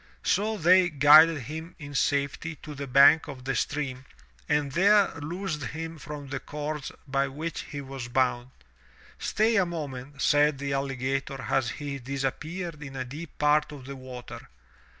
So they guided him in safety to the bank of the stream and there loosed him from the cords by which he was bound. "Stay a moment," said the alligator as he disappeared in a deep part of the water.